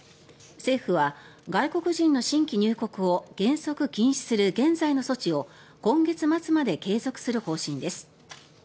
政府は外国人の新規入国を原則禁止する現在の措置を今月末まで継続する方針です。